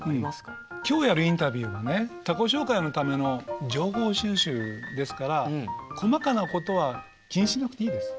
今日やるインタビューはね他己紹介のための情報収集ですから細かなことは気にしなくていいです。